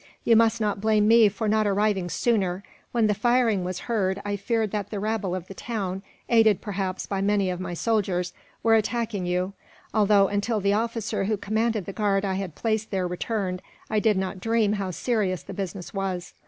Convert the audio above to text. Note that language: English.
You must not blame me for not arriving sooner. When the firing was heard, I feared that the rabble of the town, aided perhaps by many of my soldiers, were attacking you; although, until the officer who commanded the guard I had placed there returned, I did not dream how serious the business was.